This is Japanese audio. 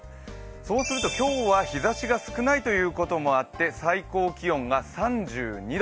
そうすると今日は日ざしが少ないということもあって最高気温が３２度。